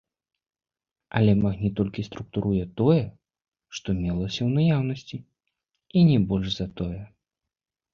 Але магніт толькі структуруе тое, што мелася ў наяўнасці, і не больш за тое.